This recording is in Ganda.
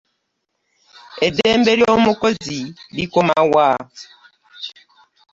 Eddembe ly'omukozi likoma wa?